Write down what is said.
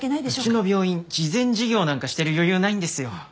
うちの病院慈善事業なんかしてる余裕ないんですよ。